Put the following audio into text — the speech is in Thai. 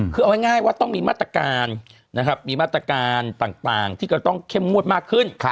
คือเอาง่ายว่าต้องมีมาตรการนะครับมีมาตรการต่างที่ก็ต้องเข้มงวดมากขึ้น